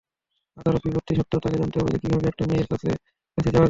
হাজারও বিপত্তি সত্ত্বেও তোকে জানতে হবে, কীভাবে একটা মেয়ের কাছাকাছি যাওয়া যায়।